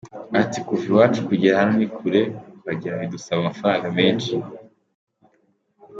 Ati “ Kuva iwacu kugera hano ni kure kuhagera bidusaba amafaranga menshi.